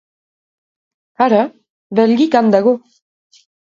Hara, Belgikan dago!